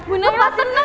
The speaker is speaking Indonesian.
bu naila tenang